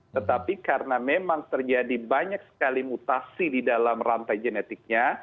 tetapi karena memang terjadi banyak sekali mutasi di dalam rantai genetiknya